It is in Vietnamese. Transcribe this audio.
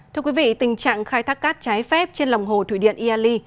thưa quý vị tình trạng khai thác cát trái phép trên lòng hồ thủy điện iali